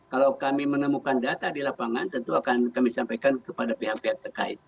kalau kami menemukan data di lapangan tentu akan kami sampaikan kepada pihak pihak terkait